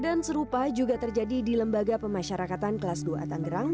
dan serupa juga terjadi di lembaga pemasyarakatan kelas dua atanggerang